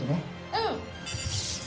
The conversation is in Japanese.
うん。